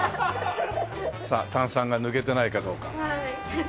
さあ炭酸が抜けてないかどうか。